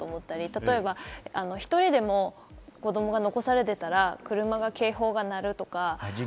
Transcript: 例えば１人でも子供が残されていたら車が警報が鳴るとか。